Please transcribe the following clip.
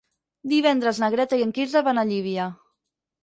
Divendres na Greta i en Quirze van a Llívia.